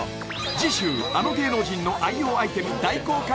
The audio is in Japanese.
次週あの芸能人の愛用アイテム大公開